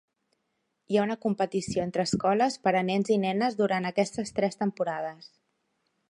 Hi ha una competició entre escoles per a nens i nenes durant aquestes tres temporades.